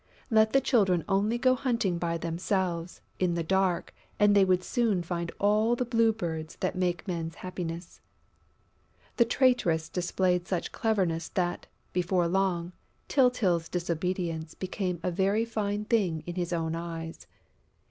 Let the Children only go hunting by themselves, in the dark, and they would soon find all the Blue Birds that make men's happiness. The traitress displayed such cleverness that, before long, Tyltyl's disobedience became a very fine thing in his own eyes.